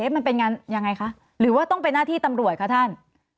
มันเป็นยังไงคะหรือว่าต้องเป็นหน้าที่ตำรวจคะท่าน